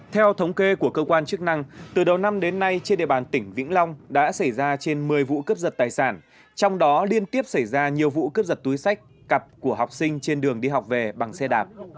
theo thống kê của cơ quan chức năng từ đầu năm đến nay trên địa bàn tỉnh vĩnh long đã xảy ra trên một mươi vụ cướp giật tài sản trong đó liên tiếp xảy ra nhiều vụ cướp giật túi sách cặp của học sinh trên đường đi học về bằng xe đạp